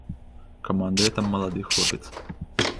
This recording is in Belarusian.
Камандуе там малады хлопец.